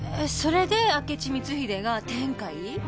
それで明智光秀が天海？